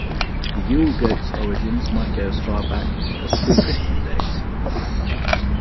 The Yule goat's origins might go as far back as pre-Christian days.